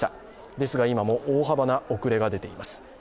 ですが、今も大幅な遅れが出ています。